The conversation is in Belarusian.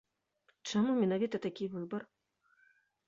Чаму менавіта такі выбар?